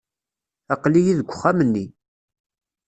Aql-iyi deg uxxam-nni.